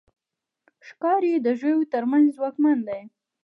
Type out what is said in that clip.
ښکاري د ژويو تر منځ ځواکمن دی.